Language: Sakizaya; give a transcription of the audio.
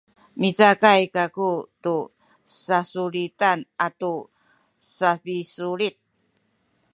micakay kaku tu sapisulit atu sasulitan